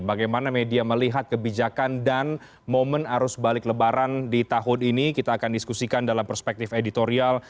bagaimana media melihat kebijakan dan momen arus balik lebaran di tahun ini kita akan diskusikan dalam perspektif editorial